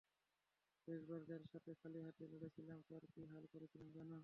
শেষবার যার সাথে খালি হাতে লড়েছিলাম তার কী হাল করেছিলাম জানো?